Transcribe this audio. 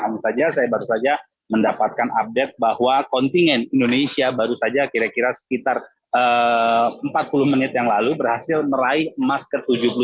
hanya saja saya baru saja mendapatkan update bahwa kontingen indonesia baru saja kira kira sekitar empat puluh menit yang lalu berhasil meraih emas ke tujuh puluh satu